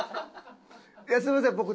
いやすいません